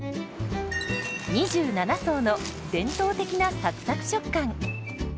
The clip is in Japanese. ２７層の伝統的なサクサク食感。